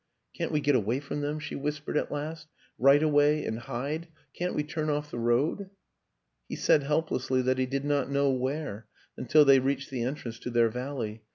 " Can't we get away from them?" she whis pered at last. " Right away and hide can't we turn off the road?" He said helplessly that he did not know where, until they reached the entrance to their valley.